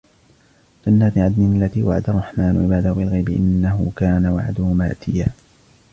جَنَّاتِ عَدْنٍ الَّتِي وَعَدَ الرَّحْمَنُ عِبَادَهُ بِالْغَيْبِ إِنَّهُ كَانَ وَعْدُهُ مَأْتِيًّا